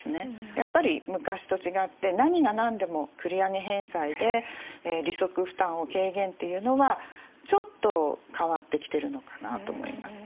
やっぱり昔と違って何が何でも繰り上げ返済で利息負担を軽減というのはちょっと変わってきてるのかなと思います。